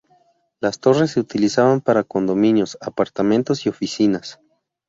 Las torres se utilizaban para condominios, apartamentos y oficinas.